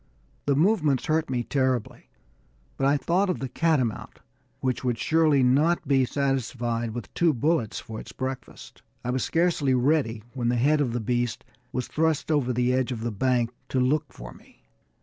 The movements hurt me terribly, but I thought of the catamount, which would surely not be satisfied with two bullets for its breakfast. I was scarcely ready when the head of the beast was thrust over the edge of the bank to look for me.